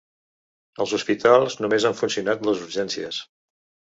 Als hospitals només han funcionat les urgències.